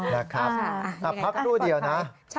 พักดูเดี๋ยวนะใช่ค่ะพักดูเดี๋ยวนะ